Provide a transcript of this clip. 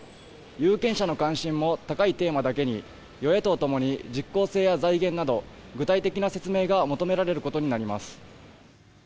有権者の関心も高いテーマだけに与野党ともに実効性や財源など具体的な説明が求められることになります。